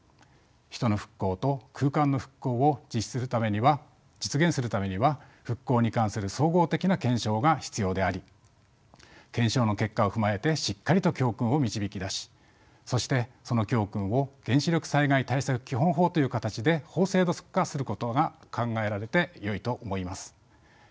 人の復興と空間の復興を実現するためには復興に関する総合的な検証が必要であり検証の結果を踏まえてしっかりと教訓を導き出しそしてその教訓を原子力災害対策基本法という形で法制度化することが考えられてよいと思います。